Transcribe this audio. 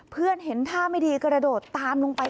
เห็นท่าไม่ดีกระโดดตามลงไป